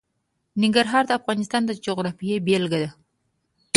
ننګرهار د افغانستان د جغرافیې بېلګه ده.